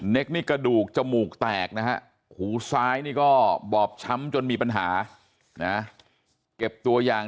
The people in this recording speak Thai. นี่กระดูกจมูกแตกนะฮะหูซ้ายนี่ก็บอบช้ำจนมีปัญหานะเก็บตัวอย่าง